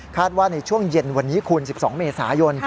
ว่าในช่วงเย็นวันนี้คุณ๑๒เมษายน